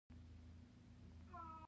کارکوونکي خپل کار ته نه پرېښودل.